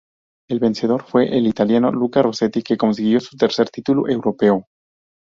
El vencedor fue el italiano Luca Rossetti que consiguió su tercer título europeo.